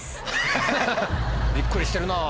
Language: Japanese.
びっくりしてるなぁ。